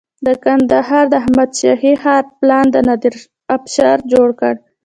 د کندهار د احمد شاهي ښار پلان د نادر افشار جوړ کړ